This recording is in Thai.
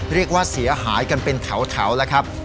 เรียกว่าเสียหายกันเป็นแถวแล้วครับ